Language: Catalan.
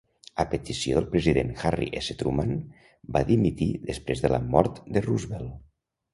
A petició del president Harry S. Truman, va dimitir després de la mort de Roosevelt.